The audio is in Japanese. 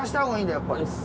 やっぱり。